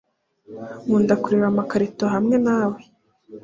nkunda kureba amakarito hamwe nawe